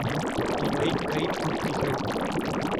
இவை கை தூக்கிகள்!